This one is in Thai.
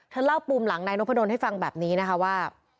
เล่าปูมหลังนายนพดลให้ฟังแบบนี้นะคะว่า